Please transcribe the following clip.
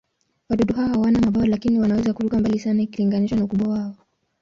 Wadudu hao hawana mabawa, lakini wanaweza kuruka mbali sana ikilinganishwa na ukubwa wao.